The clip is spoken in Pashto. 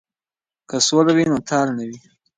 که سوله وي نو تال نه وي.